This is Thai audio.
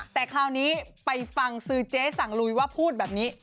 แต่คราวนี้ไปฟังซื้อเจ๊สั่งลุยว่าพูดแบบนี้